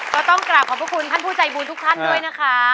ก็ต้องกราบขอบพระคุณท่านผู้ใจบุญทุกท่านด้วยนะคะ